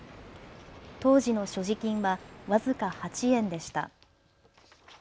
当時の所持金は僅か８円でした。